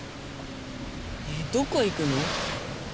ねぇどこ行くの？